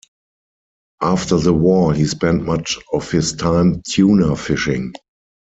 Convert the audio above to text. After the war he spent much of his time tuna fishing.